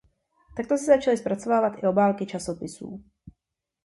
Takto se začaly zpracovávat i obálky časopisů.